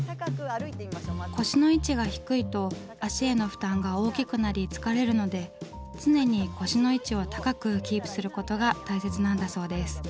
腰の位置が低いと足への負担が大きくなり疲れるので常に腰の位置を高くキープすることが大切なんだそうです。